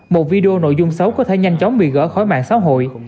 một video nội dung xấu có thể nhanh chóng bị gỡ khỏi mạng xã hội